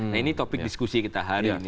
nah ini topik diskusi kita hari ini